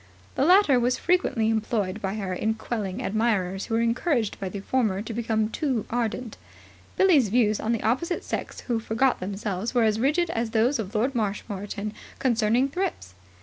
The latter were frequently employed by her in quelling admirers who were encouraged by the former to become too ardent. Billie's views on the opposite sex who forgot themselves were as rigid as those of Lord Marshmoreton concerning thrips.